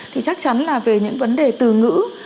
thì chắc chắn là về những vấn đề từ ngữ